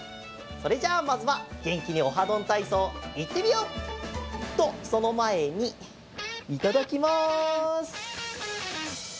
それじゃあまずはげんきに「オハどんたいそう」いってみよう！とそのまえにいただきます！